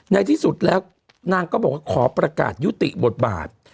ในที่สุดแล้วนางก็บอกว่าขอประกาศยุติบทบาท